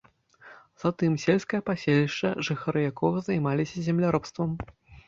Затым сельскае паселішча, жыхары якога займаліся земляробствам.